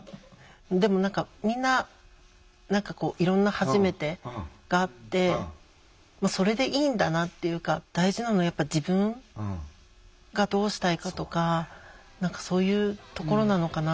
でも何かみんな何かこういろんな「はじめて」があってそれでいいんだなっていうか大事なのはやっぱ自分がどうしたいかとかそういうところなのかな。